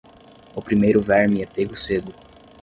O primeiro verme é pego cedo.